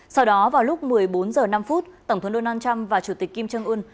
sau đó vào lúc một mươi bốn h năm tổng thống donald trump và chủ tịch kim trương ưn